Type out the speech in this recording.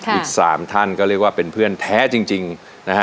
อีก๓ท่านก็เรียกว่าเป็นเพื่อนแท้จริงนะฮะ